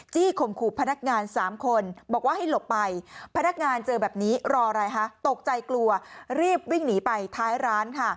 ข่มขู่พนักงาน๓คนบอกว่าให้หลบไปพนักงานเจอแบบนี้รออะไรฮะตกใจกลัวรีบวิ่งหนีไปท้ายร้านค่ะ